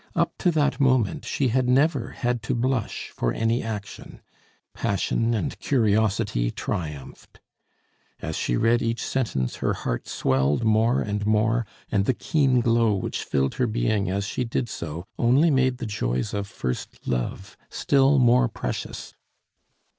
Up to that moment she had never had to blush for any action. Passion and curiosity triumphed. As she read each sentence her heart swelled more and more, and the keen glow which filled her being as she did so, only made the joys of first love still more precious.